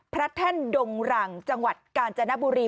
พระแท่นดงรั่งจังหวัดกาญจณบุรี